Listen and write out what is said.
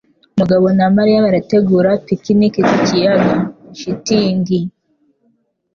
Mugabo na Mariya barategura picnic ku kiyaga. (shitingi)